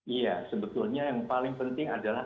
iya sebetulnya yang paling penting adalah